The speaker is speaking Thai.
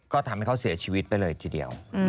ก็ทำให้เขาเสียชีวิตไปเลยทีเดียว